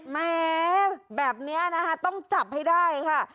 แม้แบบนี้นะคะต้องจับให้ได้ค่ะ